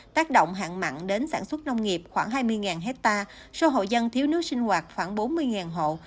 tác động hạn mặn đến sản xuất nông nghiệp khoảng hai mươi hectare số hộ dân thiếu nước sinh hoạt khoảng bốn mươi hộ